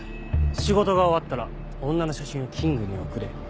仕事が終わったら女の写真をキングに送れ。